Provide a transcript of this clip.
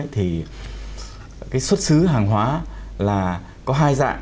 thì xuất xứ hàng hóa là có hai dạng